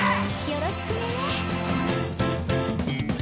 よろしくね。